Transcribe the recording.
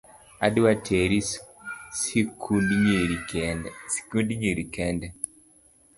Adwa teri sikund nyiri kende